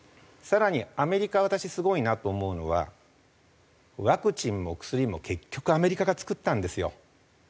更にアメリカ私すごいなと思うのはワクチンも薬も結局アメリカが作ったんですよ。